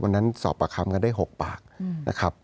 วันนั้นสอบประคำก็ได้๖ปากนะครับ